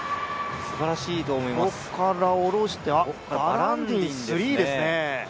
ここから下ろしてバランディン３ですね。